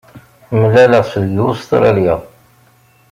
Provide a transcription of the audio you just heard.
Mlaleɣ-tt deg Ustṛalya.